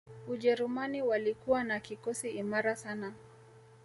Ujerumani walikuwa na kikosi imara sana